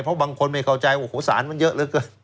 เพราะบางคนไม่เข้าใจโอ้โหศาลมันเยอะเลย